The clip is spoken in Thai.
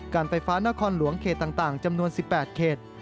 การไฟฟ้านครหลวงเขตต่างจำนวน๑๘เขต